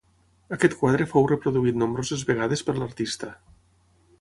Aquest quadre fou reproduït nombroses vegades per l'artista.